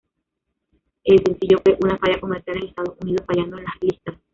El sencillo fue una falla comercial en Estados Unidos, fallando en las listas.